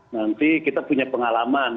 nanti kita punya pengalaman